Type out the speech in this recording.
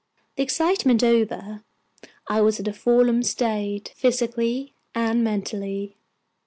The excitement over, I was in a forlorn state, physically and mentally.